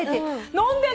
飲んでんの。